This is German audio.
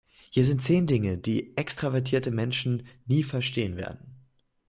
Hier sind zehn Dinge, die extravertierte Menschen nie verstehen werden.